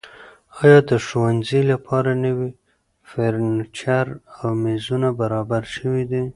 ایا د ښوونځیو لپاره نوي فرنیچر او میزونه برابر شوي دي؟